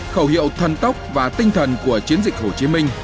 khẩu hiệu thần tốc và tinh thần của chiến dịch hồ chí minh